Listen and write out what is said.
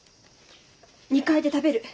２階で食べる。